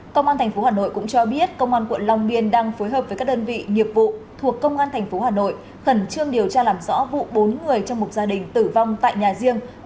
công an tp hà nội cũng cho biết công an quận long biên đang phối hợp với các đơn vị nghiệp vụ thuộc công an tp hà nội khẩn trương điều tra làm rõ vụ bốn người trong một gia đình tử vong tại nhà riêng